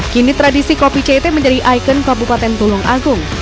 kini tradisi kopi ct menjadi ikon kabupaten tulung agung